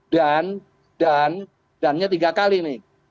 dan dan dan nya tiga kali nih